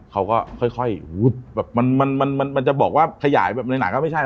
เขาก็ค่อยวุ๊บแบบมันมันมันมันมันจะบอกว่าขยายแบบในไหนก็ไม่ใช่